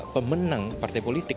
pemenang partai politik